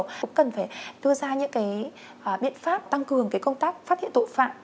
cũng cần phải đưa ra những cái biện pháp tăng cường cái công tác phát hiện tội phạm